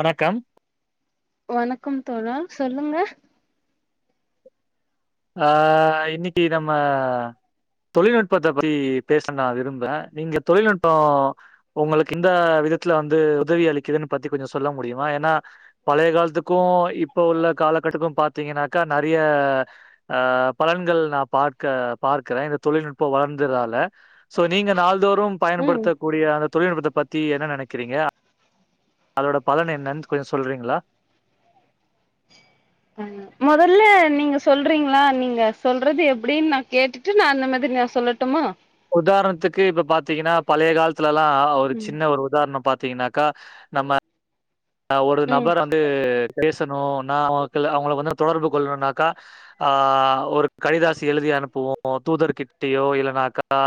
வணக்கம் வணக்கம் தோழா சொல்லுங்க ஆ இன்னைக்கு நம்ம தொழில்நுட்பத்த பத்தி பேச நா விரும்புற நீங்க தொழில்நுட்போ ஒங்களுக்கு இந்த விதத்துல வந்து உதவி அளிக்குதுன்னு பத்தி கொஞ்சோ சொல்ல முடியுமா ஏனா பழைய காலத்துக்கு இப்ப உள்ள காலகட்டக்கு பாத்தீங்கனாக்கா நறைய அ பலன்கள் நா பாக்க பார்க்குறே இந்த தொழில்நுட்போ வளர்ந்ததால சோ நீங்க நாள்தோறும் ம் பயன்படுத்த கூடிய அந்த தொழில்நுட்பத்த பத்தி என்ன நெனைக்கிறீங்க அதோட பலன என்னன் கொஞ்சோ சொல்றீங்ளா ஆ மொதல்ல நீங்க சொல்றீங்ளா நீங்க சொல்றது எப்டின் நான் கேட்டுட்டு நான் அந்த மாதிரி நா சொல்லட்டுமா உதாரணத்துக்கு இப்ப பாத்தீங்கனா பழைய கால்த்துலலா ஒரு ம் சின்ன ஒரு உதார்ணோ பாத்தீங்கனா க்கா நம்ம அ ஒரு ம் நபர் வந்து பேசணு நா அவோக்குல அவங்கள வந்து தொடர்பு கொள்ளணுனாக்கா ஆ ஒரு கடிதாசி எழுதி அனுப்புவோ தூதர் கிட்டியோ இல்லனாக்கா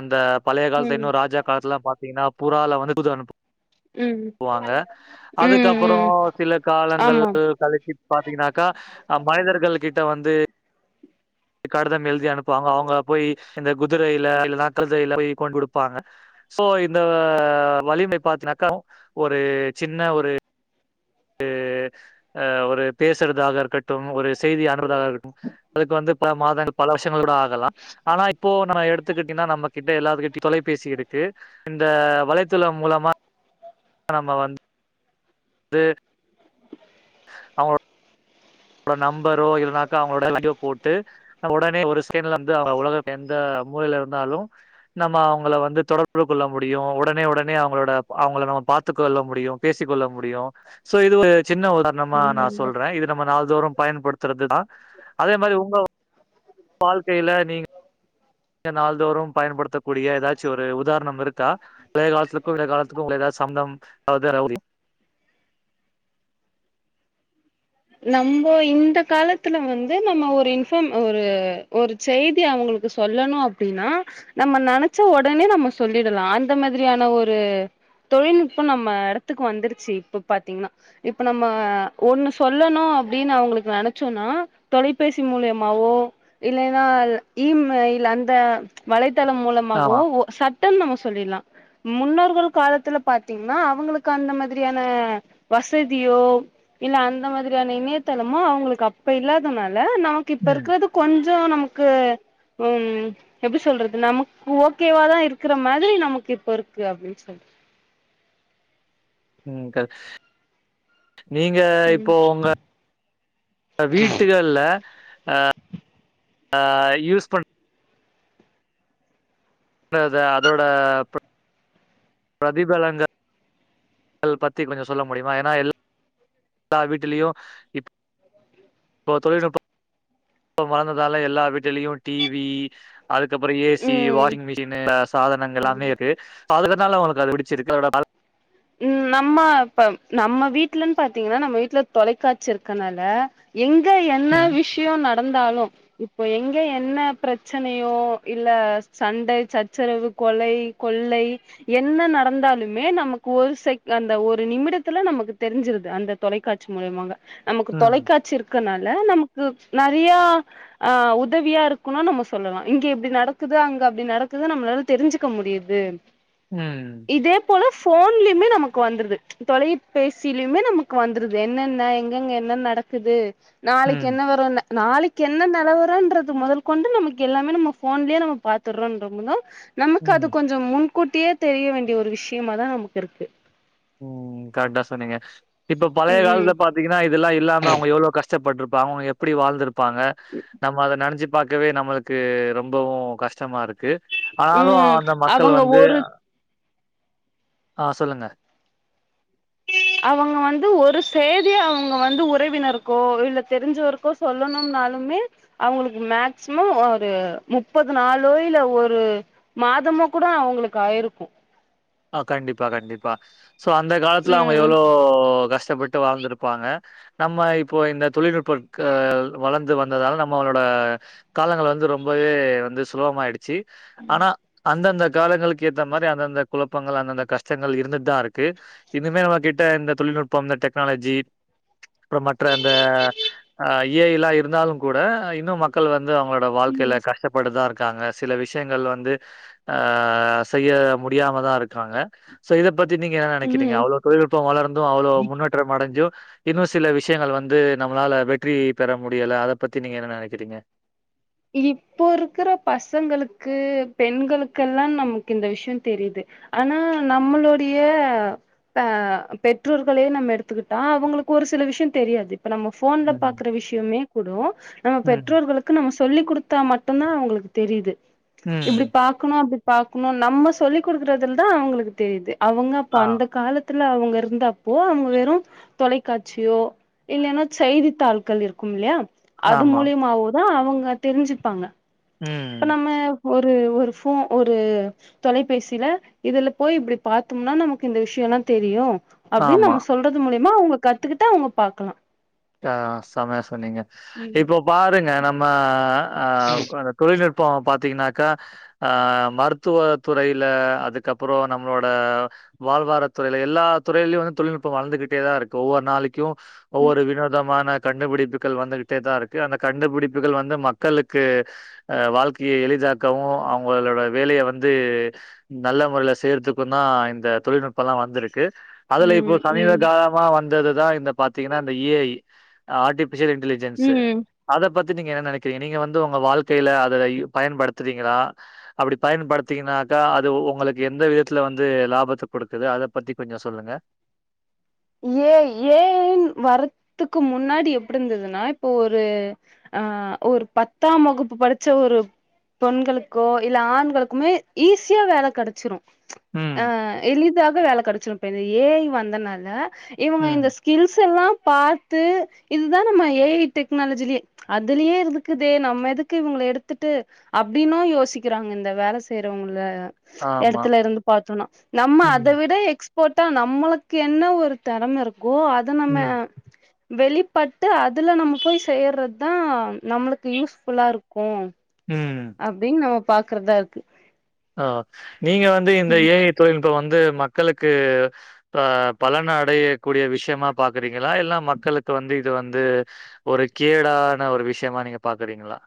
அந்த பழைய கால்த்த ம் இன்னு ராஜா காலத்துல பாத்தீங்கனா புறால வந்து தூது அனுப்பு ம் வாங்க ம் அதுக்கப்புறோ ம் சில காலங்கள் ஆமா கழுச்சு பாத்தீங்கனாக்கா அ மனிதர்கள் கிட்ட வந்து கடிதம் எழுதி அனுப்புவாங்க அவுங்க போய் இந்த குதிரையில இல்லனா கழ்தையில போய் கொண் குடுப்பாங்க சோ இந்த வலிமை பாத்துனாக்கா ஒரு சின்ன ஒரு ஒரு அ ஒரு பேசுறதாக இருக்கட்டும் ஒரு செய்தி அனுப்புறதாகட்டும் அதுக்கு வந்து பல மாதங்கள் பல வருஷங்கள் கூட ஆகலாம் ஆனா இப்போ நம்ம எடுத்துக்கிட்டீங்கன்னா நம்ம கிட்ட எல்லார் கட்டியூ தொலைபேசி இருக்கு இந்த வலைதளம் மூலமா நம்ம வந்து து அவங்களோட் நம்பரோ இல்லன்னாக்கா அவங்களோட வீடியோ போட்டு உடனே ஒரு ஸ்கேன்ல இருந்து அவ உலக எந்த மூலையில இருந்தாலும் நம்ம அவங்கள வந்து தொடர்பு கொள்ள முடியும் உடனே உடனே அவங்களோட அவங்கள நம்ம பார்த்துக்க கொள்ள முடியும் பேசிக்க கொள்ள முடியூ சோ இது ஒரு சின்ன ஒரு நம்ம நா ம் சொல்றே இது நம்ம நால் தோறோ பயன்படுத்துறதுன்னா அதே மாதிரி உங்க வாழ்க்கையில நீங் நாள்தோறே பயன்படுத்தக்க கூடிய ஏதாச்சும் ஒரு உதாரணம் இருக்கா பழைய காலத்துக்கும் இந்த காலத்துக்கும உங்கள எதாவுத் சம்மந்தம் அதாவது ரவுடி நம்ம இந்த காலத்துல வந்து நம்ம ஒரு இன்ஃபம் ஒரு ஒரு செய்தி அவங்களுக்கு சொல்லணோ அப்டின்னா நம்ம நினைச்ச உடனே நம்ம சொல்லிடலா அந்த மாதிரியான ஒரு தொழில்நுட்பம் நம்ம எடத்துக்கு வந்துருச்சு இப்ப பாத்தீங்கன்னா இப்ப நம்ம ஒண்ணு சொல்லணோ அப்படின்னு அவங்களுக்கு நினைச்சோம்ன்னா தொலைபேசி மூலியமாவோ இல்லைன்னா இ மேய்ல் அந்த வலைத்தளம் ஆமா மூலமாகவோ சட் டுன் நம்ம சொல்லிட்லா முன்னோர்கள் காலத்துல பாத்தீங்கன்னா அவங்களுக்கு அந்த மாதிரியான வசதியோ இல்ல அந் அந்த மாதிரியான இணையதளமும் அவங்களுக்கு அப்ப இல்லாதனால நமக்கு இப்ப ம் இருக்கிறது கொஞ்சோ நமக்கு ம் எப்படி சொல்றது நமக்கு ஓகேவாதா இருக்கிற மாதிரி நமக்கு இப்ப இருக்கு அப்படின்னு சொல் ம் கரெக் நீங்க ம் இப்போ உங்க வீட்டுக் ல அ அ யூஸ் பண் [inaudible] ல அத அதோட ப்ர் பிரதிபலங்க பத்தி கொஞ்சே சொல்ல முடியுமா ஏன்னா எ எல்லா வீட்டுலயும் இப் இப்ப தொழில்நுட்ப வளந்ததால எல்லா வீட்டுலயூ டிவி அதுக்கப்புறோ ஏசி ம் வாஷிங் மிஷின்னா சாதனங்கள் எல்லாமே இருக்கு சோ அதுக்குனால உங்களுக் அது பிடிச்சிருக்கு அதோட ம் நம்ம இப்ப நம்ம வீட்டுலன்னு பாத்தீங்கன்னா நம்ம வீட்ல தொலைக்காட்சி இருக்கனால எங்கே என்ன ம் விஷயே நடந்தாலும் இப்போ எங்க என்ன பிரச்சனையோ இல்ல சண்டை சச்சரவு கொலை கொள்ளை என்ன நடந்தாலுமே நமக் ஒரு செக் அந்த ஒரு நிமிடத்துல நமக்கு தெரிஞ்சிருது அந்த தொலைக்காட்சி மூலிமாக நமக்கு ம் தொலைக்காட்சி இருக்கனால நமக்கு நறயா ஆ உதவியா இருக்குன்னும் நம்ம சொல்லலா இங்க எப்படி நடக்குது அங்க அப்படி நடக்குதுன்ன நம்மளால தெரிஞ்சுக்க முடியுது ம் இதே போல போன்லயுமே நமக்கு வந்துருது தொலைபேசியிலயுமே நமக்கு வந்துருது என்னன்ன எங்கங்க என்ன நடக்குது நாளைக்கு ம் என்ன வரும்னே நாளைக்கு என்ன நெலவறன்றது முதல் கொண்டு நமக்கு எல்லாமே நம்ம ஃபோன்லயே நம்ம பாத்துடுறோம் ரொம்ப நமக்கு அது ம் கொஞ்சம் முன்கூட்டியே தெரிய வேண்டிய ஒரு விஷயமா தான் நமக்கு இருக்கு உம் கரெக்டா சொன்னீங்க இப்ப பழைய ம் காலத்த பா த்திங்கன்னா இதெல்லாம் இல்லாம அவங்க எவ்ளோ கஷ்டப்பிருப்பாங்கங்க அவங்க எப்படி வாழ்ந்திருப்பாங்க நம்ம அதை நினைச்சிப் பாக்கவே நம்மளுக்கு ரொம்பவும் கஷ்டமா இருக்கு ஆனாலும் ம் அந்த மக்கள் அவங்க வந்து ஒரு ஆஹ் சொல்லுங்க அவங்க வந்து ஒரு செய்தியா அவங்க வந்து உறவினருக்கோ இல்ல தெரிஞ்சவர்க் கோ சொல்லணும்னாலுமே அவங்களுக்கு மேக்சிமம் ஒரு முப்பது நாளோ இல்ல ஒரு மாதமோ கூட அவங்களுக்கு ஆயிருக்கும் அஹ் கண்டிப்பா கண்டிப்பா சோ அந்த காலத்துல அவங்க ம் எவ்வளோ கஷ்டப்பட்டு வாழ்ந்திருப்பாங்க நம்ம இப்போ இந்த தொழில்நுட்ப க்க வளர்ந்து வந்ததால நம்மளோட காலங்கள் வந்து ரொம்பவே வந்து சுலபமாயிடுச் சி ஆனா அந்தந்த காலங்களுக்கு ஏத்த மாரி அந்தந்த குழப்பங்கள் அந்தந்த கஷ்டங்கள் இருந்துட்டு தான் இருக்கு இன்னுமே நம்ம கிட்ட இந்த தொழில்நுட்பம் இந்த டெக்னாலஜி அப்புறம் மற்ற அந்த அ ஏ ஐ லாம் இருந்தாலும் கூட இன்னும் மக் கள் வந்து அவங்களோட வாழ்க்கைல கஷ்டப்பட்டு தான் இருக் காங்க சில விஷயங்கள் வந்து ஆஹ் செய்ய முடியாம தான் இருக்காங்க சோ இதை பத்தி நீங்க என்ன நினைக்கிறீங்க ம் அவ்ளோ தொழில்நுபம் வளர்ந்தும் அவ்வளவு முன்னேற்றம் அடைஞ்சும் இன்னும் சில விஷயங்கள் வந்து நம்மளால வெற்றி பெற முடியலை அதை பத்தி நீங்க என்ன நினைக்கிறீங்க இப்போ இருக்கிற பசங்களுக்கு பெண்களுக்கெல்லாம் நமக்கு இந்த விஷயம் தெரியுது ஆனா நம்மளுடைய ப பெற்றோர்களே நம்ம எடுத்துக்கிட்டா அவங்களுக்கு ஒரு சில விஷயம் தெரியாது இப்ப நம்ம ஃபோன்ல ம். பாக்குற விஷயமே கூட நம்ம ம். பெற்றோர்களுக்கு நம்ம சொ சொல்லி்குடுத்தா மட்டும் தான் அவங்களுக்கு தெரியுது இப்படி ம். பா க்கணும் அப்படி பாக்கணும் நம்ம சொல்லி் கொடுக்கறதல தான் அவங்களுக்கு தெரியுது அவங்க அப்ப ஆ. அந்த காலத் துல அவங்க இருந்தப்போ அவங்க வெறும் தொலைக்காட்சியோ இல்லன்னா செய்தித்தாள்கள் இருக்கும் இல்லையா அது ஆமா. மூலியமாவோதான் அவங்க தெரிஞ்சுப்பாங்க ம். இப்ப நம்ம ஒரு ஒரு ஃபோ ஒரு தொலைபேசில இதுல போய் இப்படி பாத்தோம்னா நமக்கு இந்த விஷயம் எல்லாம் தெரியும் அப்டின்னு ஆமா. நம்ம சொல்றது மூலியமா அவங்க கத்துக்கிட்டு அவங்க பாக்கனும் ஆஹ் சமைய சொன்னீங்க இப்போ பாருங்க நம்ம ஆஹ் தொழில்நுட்பம் பாத்தீங்கன்னாக்கா ஆஹ் மருத்துவ துறையில அதுக்கப்புறம் நம்மளோட வாழ்வாரத்துறை ல எல்லா துறையிலே யும் தொழில்நுட்பம் வளந்துகிட்டேதான் இருக்கு ஒவ்வொரு நாளைக்கும் ம் ஒவ்வொரு வினோ தமான கண்டுபிடிப்புகள் வந்துகிட்டே தான் இருக்கு அந்த கண்டுபிடிப்புகள் வந்து மக்களுக்கு அஹ் வாழ்க்கையை எளிதாக்கவும் அவங்களோட வேலைய வந்து நல்ல முறையில செய்யறதுக்கும் தான் இந்த தொழில்நுட்பம் லாம் வந்திருக்கு அதுல இப்போ ம் சமீப ம் காலமா வந்ததுதான் இந்த பாத்தீங்கன்னா இந்த ஏ ஐ ஆர்டிபிஷல் இன்டலிஜென்ஸ்ஸு ம் அத பத்தி நீங்க என்ன நினைக்கிறீங்க நீங்க வந்து உங்க வாழ்க்கையில அதை பயன்படுத்துறீங்களா அப்டி பயன்படுத்தீங்கனாக்கா அது உங்களுக்கு எந்த விதத்துல வந்து லாபத்தை கொடுக்குது அதை பத்தி கொஞ்சம் சொல்லுங்க ஏ ஐ ஏ ஐ வரறதுக்கு முன்னாடி எப்டி இருந்ததுன்னா இப்போ ஒரு ஆ ஒரு பத்தாம் வகுப்பு படிச்ச ஒரு பெண்களுக்கோ இல்ல ஆண்களுக்குமே ஈஸியா வேல கெடைச்சிரும் ம். ஆ எளிதாக வேல கெடைச்சுரும் இப்ப இந்த ஏ ஐ வந்தனால இவங்க இந்த ம். ஸ்கில்ஸ் எல்லா பாத்து இதுதா நம்ம ஏ ஐ டெக்னாலஜிலயே அதுலயே இருக்குதே நம்ம எதுக்கு இவங்கள எடுத்துட்டு அப்டின்னும் யோசிக்கிறாங்க இந்த வேல செய்யறவங்கள ஆமா. எடத்துல இருந்து பாத்தோன்னா நம்ம ம். அத விட எக்ஸ்போர்ட்டா நம்மளுக்கு என்ன ஒரு தெறம இருக்கோ அத நம்ம ம். வெளிப்பட்டு அதுல நம்ம போய் செய்யறது தா நம்மளுக்கு யூஸ்ஃபுல்லா இருக்கும் ம் அப்டின்னு நம்ம பாக்குறதா இருக்கு ஆ நீங்க வந்து இந்த ம் ஏ ஐ தொழில்நுட்பம் வந்து மக்களுக்கு ஆ பலன அடையக்கூடிய விஷயமா பாக்குறீங்களா எல்லா மக்களுக்கு வந்து இது வந்து ஒரு கேடான ஒரு விஷயமா நீங்க பாக்குறீங்களா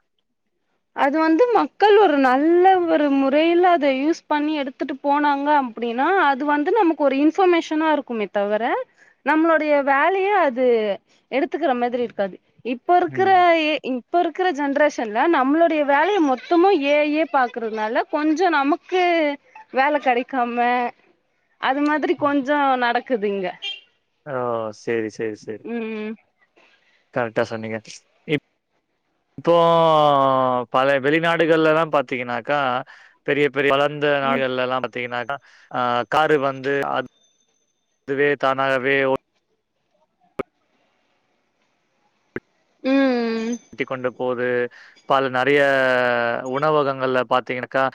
அது வந்து மக்கள் ஒரு நல்ல ஒரு முறையில அத யூஸ் பண்ணி எடுத்துட்டு போனாங்க அப்டின்னா அது வந்து நமக்கு ஒரு இன்ஃபர்மேஷனா இருக்குமே தவர நம்மளுடைய வேலைய அது எடுத்துக்கிற மாதிரி இருக்காது இப்ப இருக்கிற ம். ஏ இப்ப இருக்கிற ஜென்ரேஷன்ல நம் ம்மளுடைய வேலைய மொத்தமும் ஏ ஐ யே பாக்குறதுனால கொஞ்சோ நமக்கு வேல கெடைக்காம அது மாதிரி கொஞ்சோ நடக்குது இங்க ஆ செரி செரி செரி ம் கரெக்டா சொன்னீங்க இப் போ பல வெளிநாடுகள்லல்லா பாத்தீங்கன்னாக்கா பெரிய பெரிய வளர்ந்த ம் நாடுகள்ல எல்லா பாத்தீங்கன்னா ஆ காரு வந்து இதுவே தானாகவே ஒ ம் ம் ட்டிக்கொண்டு போது பல நறைய உணவகங்கள்ல பாத்தீங்கன்னாக்கா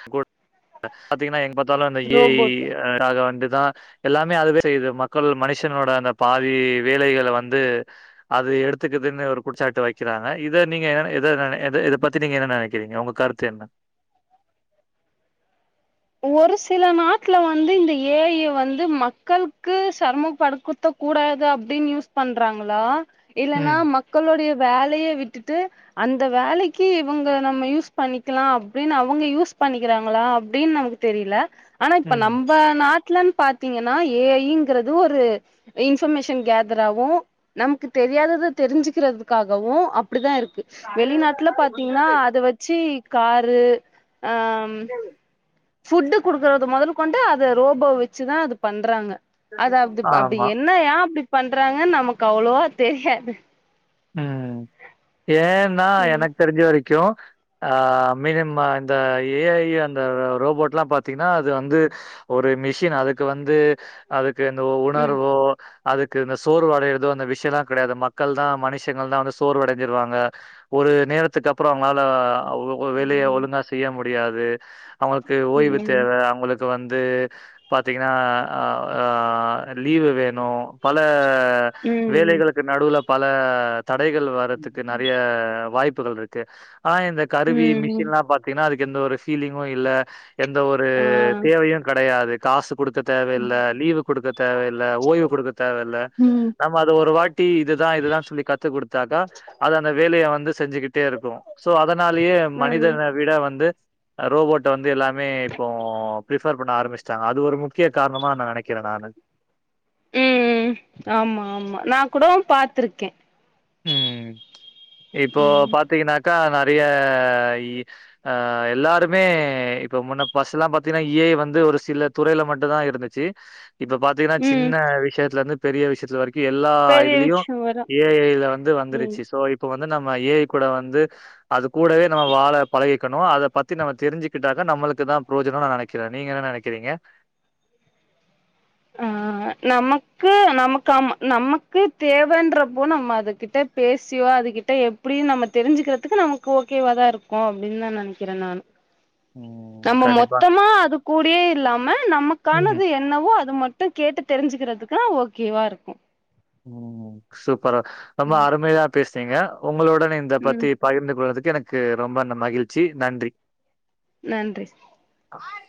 பாத்தீங்கன்னா எங்க பாத்தாலும் அந்த ஏ ரோபோட் ஐ காக வந்துதா எல்லாமே அதுதா செய்யுது மக்கள் மனுஷனோட அந்த பாதி வேலைகள வந்து அது எடுத்துக்குதுன்னு ஒரு குச்சாட்டு வெக்கிறான் இத நீங்க இத இத இத பத்தி நீங்க என்ன நெனைக்கிறீங்க உங்க கருத்து என்ன ஒரு சில நாட்ல வந்து இந்த ஏ ஐ ய வந்து மக்கள்க்கு செர்மப்படுக்குத் கூடாது அப்டின் யூஸ் பண்றாங்ளா இல்லன்னா ம் மக்களுடைய வேலைய விட்டுட்டு அந்த வேலைக்கு இவுங்க நம்ம யூஸ் பண்ணிக்லா அப்டின் அவுங்க யூஸ் பண்ணிக்கிறாங்ளா அப்டின்னு நமக்கு தெரில ஆனா இப்ப ம் நம்ப நாட் ட்லன் பாத்தீங்கனா ஏ ஐ ங்ரது ஒரு இன்ஃபமேஷன் கேதர் ஆவூம் நமக்கு தெரியாதத தெரிஞ்சுக்கிறதுக்காகவு அப்டிதா இருக்கு வெளிநாட்ல பாத்தீங்ன்னா அத வச்சு காரு ஆ ம் ஃபுட் குடுக்குறத மொதல் கொண்டு அத ரோபோ வச்சுதா அது பண்றாங்க அது அப் அப்டி ஆமா என்ன என்னா ஏ அப்டி பண்றாங்கன்னு நமக்கு அவ்ளோவா தெரியாது ம் ஏன்னா ம் எனக் தெரிஞ்ச வரைக் கும் ஆ மினிமா இந்த ஏ ஐ அந்த ரோபோட்ல்லா பாத் தீங்ன்னா அது வந்து ஒரு மிஷின் அதுக்கு வந்து அதுக்கு எந்த ம் உணர்வோ அதுக்கு இந்த சோர்வடையதோ அந்த விஷ்யோல்லா கெடையாது மக்கள் தா மனிஷ் ஷயங்கள் தா வந்து சோர்வடைஞ்சிருவாங்க ஒரு நேரத்துக்கு அப்றோ அவங்களால ஆ ஒ ஒரு வேலைய ம் ஒழுங்கா செய்ய முடியாது அவுங்களுக்கு ஓய்வு ம் தேவ அவுங்களுக் கு வந்து பாத்தீங்ன்னா ஆ ஆ லீவு வேணு பல ம் ம் வேலைகளுக்கு நடுவுல பல தடைகள் வர்றதுக்கு நெறையா வாய்ப்புகள் இருக்கு ஆனா இந்த கருவி ம் மிஷின்லா பாத் தீங்கன்னா அதுக்கு எந்த ஒரு ஃபீலிங்கு இல்ல எந்த ஒரு ஆ தேவையு கெடையாது காசு குடுக்க தேவயில்ல லீவு குடுக்க தேவயில்ல ஓய்வு குடுக்க தேவயில்ல ம் நம்ம அது ஒரு வாட் டி இதுதா இதுதா சொல்லி கத்து குடுத்தாக்கா அது அந்த வேலையே வந்து செஞ்சிக்கிட்டே இருக்கு சோ அதனாலயே ம் மனிதன விட வந்து ரோபோட்ட வந்து எல்லாமே இப்போ ப்ரிஃபர் பண்ண ஆரம்பிச்சிட்டாங்க அது ஒரு முக்கிய காரணமா நா நெனைக்கிறே நானு ம் ஆமா ஆமா நா கூட பாத்ருக்கே ம் இப்போ ம் பாத்தீங்கன்னாக்கா நெறைய ஆ எல்லாருமே இப்ப முன்ன பஸ்லா பாத்தீங்கன்னா ஏ ஐ வந்து ஒரு சில துறையில மட்டுந்தா இருந்துச்சி இப்ப பாத் தீங்கன்னா ம் சின்ன விஷயத்லந்து பெரிய விஷயத்துல வரைக்கு எல்லா பெரிய இதுலுயு விஷயோ வரு ஏ ஐ வந்து ம் வந்துருச்சி சோ இப்ப வந்து நம்ம ஏ ஐ கூட வந்து அது கூடவே நம்ம வாழ பழகிக்கணு அத பத்தி நம்ம தெரிஞ்சிக்கிட்டாக்க நம்மளுக்குதா புரோஜனோ நா நெனைக் கிறே நீங்க என்ன நெனைக்கிறீங்க ஆ நமக்கு நமக்கு ஆமா நமக்கு தேவன்றப்போ நம்ம அதுகிட்ட பேசியோ அதுகிட்ட எப்டியு நம்ம தெரிஞ்சிக்கிறதுக்கு நமக்கு ஓகேவாதா இருக்கு அப்டின்தா நெனைக்கிறே நானு ம் நம்ம கண்டிப்பா மொத்தமா அது கூடயே இல்லாம ம் நமக்கானது என்னவோ அ து மட்டு கேட்டு தெரிஞ்சுக்கிறதுக்லா ஓகேவா இருக்கு ம் சூப்பரு ரொம்ப அருமையா பேசுனீங்க உங்களுடன் இந்த ம் பத்தி பகிர்ந்து கொண்டதுக்கு எனக்கு ரொம்ப ந மகிழ்ச்சி நன்றி நன்றி ஹாய்